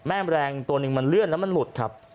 แมลงตัวหนึ่งมันเลื่อนแล้วมันหลุดครับ